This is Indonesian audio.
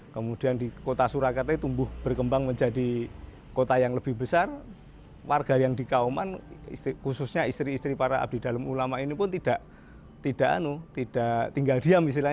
kemudian di kota surakarta itu tumbuh berkembang menjadi kota yang lebih besar warga yang di kauman khususnya istri istri para abdi dalam ulama ini pun tidak tinggal diam istilahnya